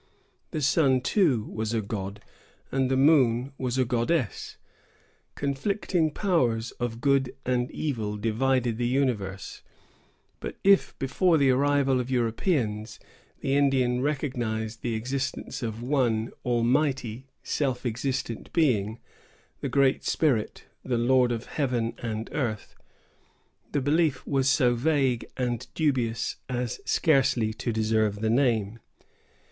The sun, too, was a god, and the moon was a goddess. Conflicting powers of good and evil divided the universe: but if, before the arrival of Europeans, the Indian recognized the existence of one, almighty, self existent Being, the Great Spirit, the Lord of Heaven and Earth, the belief was so vague and dubious as scarcely to deserve the name.